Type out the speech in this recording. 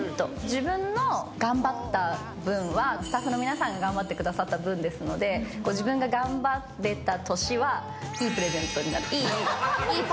自分の頑張った分は、スタッフの皆さんが頑張ってくださった分ですので、自分が頑張れた年は、いいプレゼントになる。